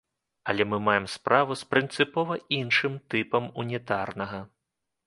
Але мы маем справу з прынцыпова іншым тыпам унітарнага.